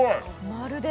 まるで？